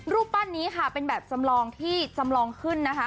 รูปปั้นนี้ค่ะเป็นแบบจำลองที่จำลองขึ้นนะคะ